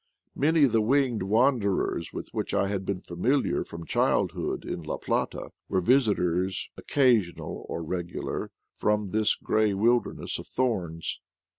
Many of the winged wanderers with which I had been familiar from childhood in La Plata were visitors, occasional or regular, from this gray wilderness of thorns.